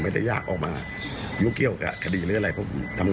เรื่องที่บอกว่าเป็นขบวนการแล้วบอกว่าเราก็เป็นหนึ่งในนั้น